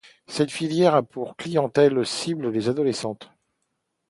Cette filière a pour clientèle cible les adolescentes.